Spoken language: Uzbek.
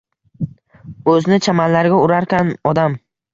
O‘zni chamanlarga urarkan odam